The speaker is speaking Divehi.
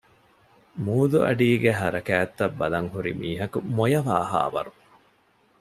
މޫދުއަޑީގެ ހަރަކާތްތައް ބަލަން ހުރި މީހަކު މޮޔަވާހާވަރު